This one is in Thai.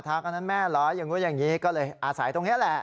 อันนั้นแม่เหรออย่างนู้นอย่างนี้ก็เลยอาศัยตรงนี้แหละ